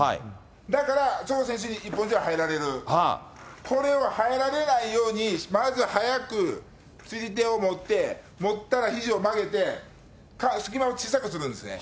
だから、チョ選手に一本背負い入られる、これを入られないように、まず早く釣り手を持って、持ったらひじを曲げて、隙間を小さくするんですね。